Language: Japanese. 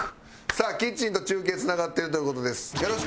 さあキッチンと中継つながってるという事です。